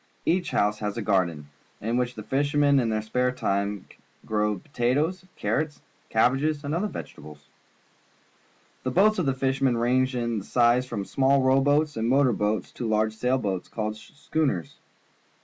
Each house has a garden, in which the fishermen in their spare time grow potatoes, carrots, cabbages, and other vegetables. The boats of the fishermen range in size from small row boats and motor boats to large sail boats called schooners.